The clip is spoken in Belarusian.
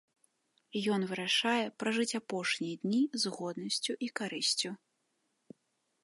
Ён вырашае пражыць апошнія дні з годнасцю і карысцю.